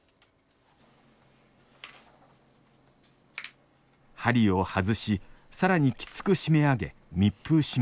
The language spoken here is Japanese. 針を外しさらにきつく締め上げ密封します